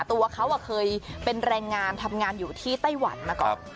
ตัวเขาเคยเป็นแรงงานทำงานอยู่ที่ไต้หวันมาก่อน